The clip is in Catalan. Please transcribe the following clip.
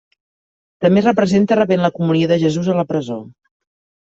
També es representa rebent la comunió de Jesús a la presó.